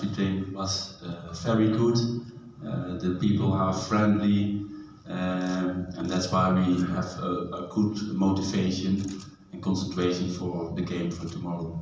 dan itulah mengapa kami memiliki motivasi dan konsentrasi untuk pertandingan besok